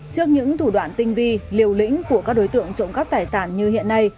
trước những thủ đoạn tinh vi liều lĩnh của các đối tượng trộm cắp tài sản như hiện nay